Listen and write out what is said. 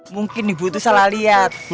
mungkin ibu itu salah lihat